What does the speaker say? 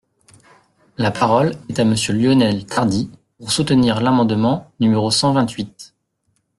La parole est à Monsieur Lionel Tardy, pour soutenir l’amendement numéro cent vingt-huit.